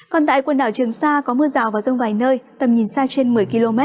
còn tại quần đảo trường sa có mưa rào và rông vài nơi tầm nhìn xa trên một mươi km